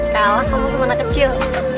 kalah kamu sama anak kecil